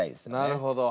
なるほど。